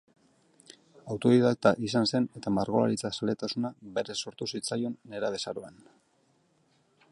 Autodidakta izan zen eta margolaritza-zaletasuna berez sortu zitzaion, nerabezaroan.